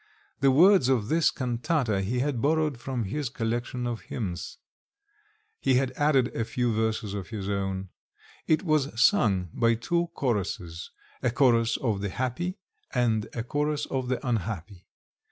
The words of this cantata he had borrowed from his collection of hymns. He had added a few verses of his own. It was sung by two choruses a chorus of the happy and a chorus of the unhappy.